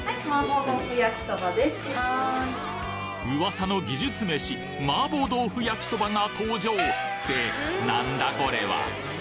噂の技術めしマーボー豆腐焼きそばが登場ってなんだこれは？